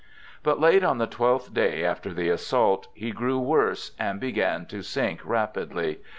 But late on the twelfth day after the assault, he grew worse, and began to sink rapidly.